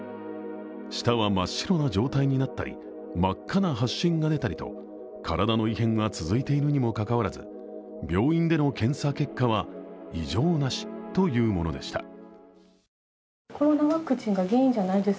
舌は真っ白な状態になったり真っ赤な発疹が出たりと体の異変は続いているにもかかわらず病院での検査結果は異常なしというものでした。